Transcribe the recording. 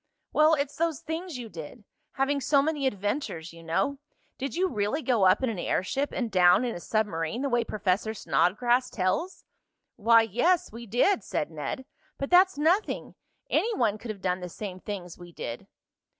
"Well, it's those things you did having so many adventures you know. Did you really go up in an airship and down in a submarine, the way Professor Snodgrass tells?" "Why, yes, we did," said Ned. "But that's nothing. Any one could have done the same things we did."